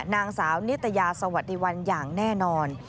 นางสาวนิตยาสวัสดีวันอย่างแน่นอน